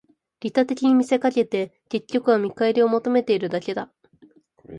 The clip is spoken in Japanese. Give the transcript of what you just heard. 利他的に見せかけて、結局は見返りを求めているだけだ